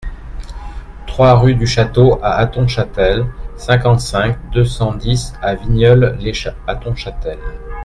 trois rue du Château à Hattonchâtel, cinquante-cinq, deux cent dix à Vigneulles-lès-Hattonchâtel